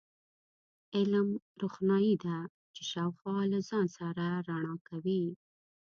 علم، روښنایي ده چې شاوخوا له ځان سره رڼا کوي.